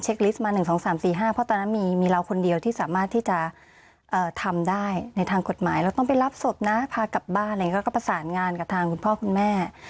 ชิลลิสต์มัน๑๕๓๔๕พอตอนนั้นมีมีเราคนเดียวที่สามารถที่จะอ่าทำได้ในทางกฎหมายแล้วต้องไปลับศพนะพากลับบ้านแล้วก็ประสานงานกับทางคุณพ่อคุณแม่จริง